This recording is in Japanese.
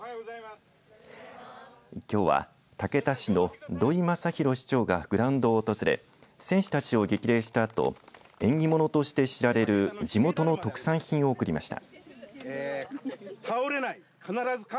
きょうは竹田市の土居昌弘市長がグラウンドを訪れ選手たちを激励したあと縁起物として知られる地元の特産品を贈りました。